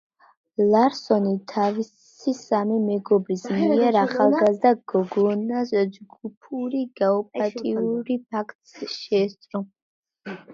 ლარსონი თავისი სამი მეგობრის მიერ ახალგაზრდა გოგონას ჯგუფური გაუპატიურების ფაქტს შეესწრო.